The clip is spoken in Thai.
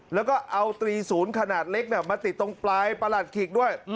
แล้วก็เอาตรีศูนย์ขนาดเล็กมาติดตรงปลายประหลัดขีกด้วย